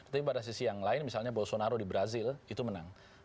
tapi pada sisi yang lain misalnya bolsonaro di brazil itu menang